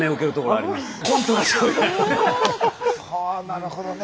はあなるほどね。